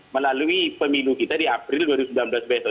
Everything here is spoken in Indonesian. melalui pemilu kita di april dua ribu sembilan belas besok